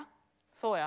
そうや。